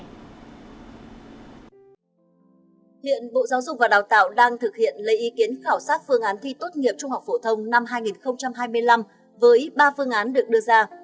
hiện bộ giáo dục và đào tạo đang thực hiện lấy ý kiến khảo sát phương án thi tốt nghiệp trung học phổ thông năm hai nghìn hai mươi năm với ba phương án được đưa ra